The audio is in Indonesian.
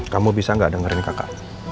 kamu bisa nggak dengerin kakak